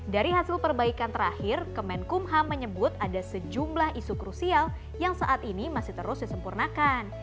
dari hasil perbaikan terakhir kemenkumham menyebut ada sejumlah isu krusial yang saat ini masih terus disempurnakan